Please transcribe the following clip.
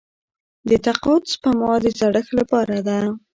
د تقاعد سپما د زړښت لپاره ده.